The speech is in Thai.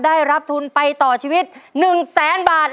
ได้รับทุนไปต่อชีวิต๑แสนบาท